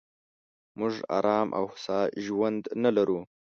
موږ ارام او هوسا ژوند نه لرو.